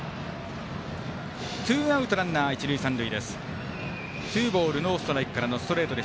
ツーアウト、ランナー、一塁三塁。